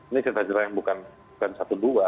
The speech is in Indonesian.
ini cerita jelas yang bukan satu dua